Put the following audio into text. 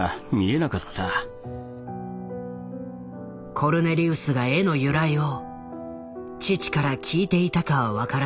少なくともコルネリウスが絵の由来を父から聞いていたかは分からない。